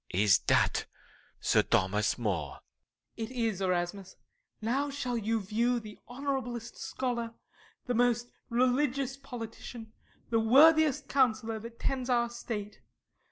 Is that Sir Thomas More? SURREY. It is, Erasmus: Now shall you view the honorablest scholar, The most religious politician, The worthiest counsellor that tends our state.